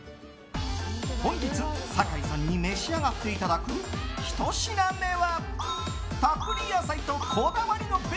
本日、酒井さんに召し上がっていただく１品目は。